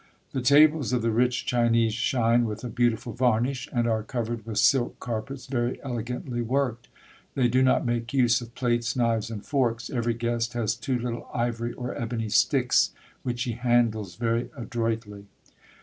The tables of the rich Chinese shine with a beautiful varnish, and are covered with silk carpets very elegantly worked. They do not make use of plates, knives, and forks: every guest has two little ivory or ebony sticks, which he handles very adroitly.